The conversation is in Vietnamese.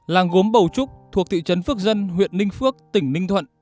làng gốm bầu trúc thuộc thị trấn phước dân huyện ninh phước tỉnh ninh thuận